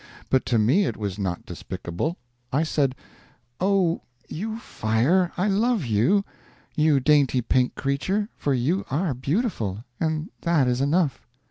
But to me it was not despicable; I said, "Oh, you fire, I love you, you dainty pink creature, for you are beautiful and that is enough!"